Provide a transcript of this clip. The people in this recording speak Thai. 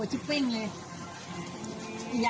เฮ้ย